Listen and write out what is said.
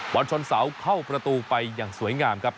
วันชนเสาเข้าประตูไปอย่างสวยงามครับ